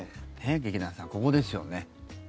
劇団さん、ここですよね。